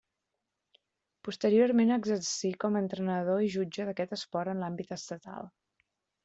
Posteriorment exercí com a entrenador i jutge d'aquest esport en l'àmbit estatal.